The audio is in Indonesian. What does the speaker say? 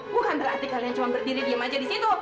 bukan berarti kalian cuma berdiri diem aja di situ